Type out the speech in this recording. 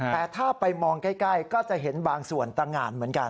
แต่ถ้าไปมองใกล้ก็จะเห็นบางส่วนตะงานเหมือนกัน